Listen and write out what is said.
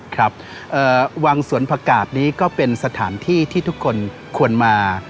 ครับวังสวนผักกาศนี้ก็เป็นสถานที่ที่ทุกคนควรมา